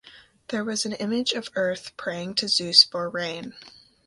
There was an image of Earth praying to Zeus for rain.